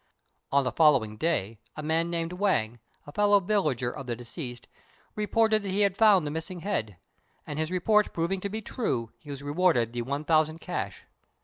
On the following day, a man named Wang, a fellow villager of the deceased, reported that he had found the missing head; and his report proving to be true, he was rewarded with 1,000 cash.